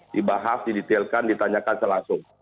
dibahas didetailkan ditanyakan selanjutnya